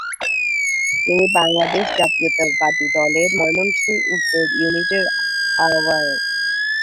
তিনি বাংলাদেশ জাতীয়তাবাদী দলের ময়মনসিংহ উত্তর ইউনিটের আহ্বায়ক।